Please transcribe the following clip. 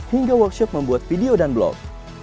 hingga workshop membuat video dan blog